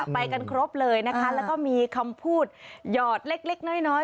ไปกันครบเลยนะคะแล้วก็มีคำพูดหยอดเล็กน้อย